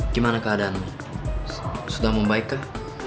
gimana keadaan sudah membaik kah